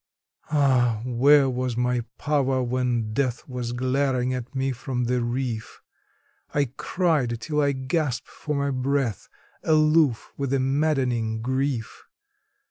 Ah! where was my power, when Death was glaring at me from the reef? I cried till I gasped for my breath, aloof with a maddening grief.